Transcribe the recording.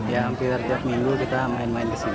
ya hampir tiap minggu kita main main ke sini